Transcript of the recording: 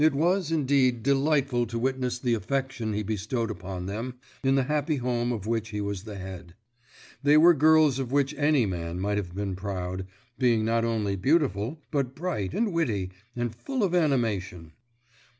It was, indeed, delightful to witness the affection he bestowed upon them in the happy home of which he was the head. They were girls of which any man might have been proud, being not only beautiful, but bright and witty, and full of animation.